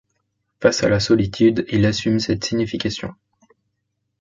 Face à la solitude, il assume cette signification.